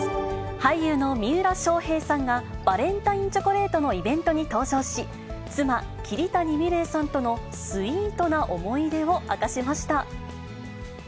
俳優の三浦翔平さんがバレンタインチョコレートのイベントに登場し、妻、桐谷美玲さんとのスイートな思い出を明かしました。